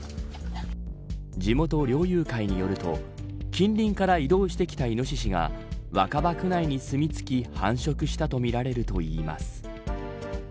地元猟友会によると近隣から移動してきイノシシが若葉区内にすみ着き繁殖したとみられるといいます。